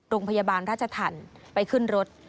โรงพยาบาลราชธรรมไปขึ้นรถ